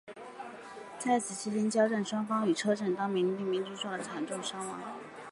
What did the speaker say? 在此期间交战双方与车臣当地居民均遭受了惨重伤亡。